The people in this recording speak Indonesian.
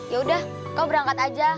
yaudah kau berangkat aja